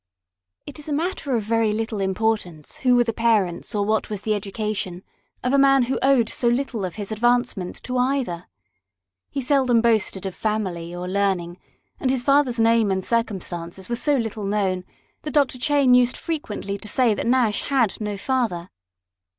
It is a matter of very little importance who were the parents, or what was the education, of a man who owed so little of his advancement to either. He seldom boasted of family or learning, and his father's name and circumstances were so little known, that Dr. Cheyne used frequently to say that Nash had no father.